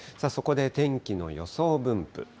そこで天気の予想分布。